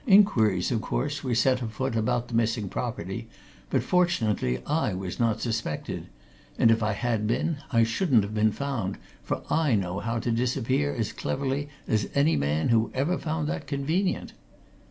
Inquiries, of course, were set afoot about the missing property, but fortunately I was not suspected. And if I had been, I shouldn't have been found, for I know how to disappear as cleverly as any man who ever found that convenient."